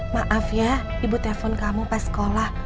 maaf ya ibu telpon kamu pas sekolah